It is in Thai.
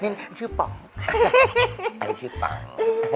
มีชื่อป๋อง